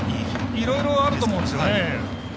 いろいろあると思うんですよね。